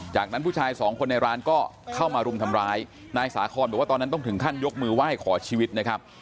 จากนั้นผู้ชายสองคนในร้านก็เข้ามารุมทำร้ายนายสาคอนบอกว่าตอนนั้นต้องถึงขั้นยกมือไหว้ขอชีวิตนะครับ